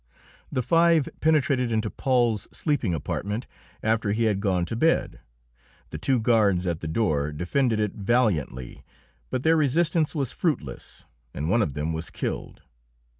The five penetrated into Paul's sleeping apartment after he had gone to bed. The two guards at the door defended it valiantly, but their resistance was fruitless, and one of them was killed.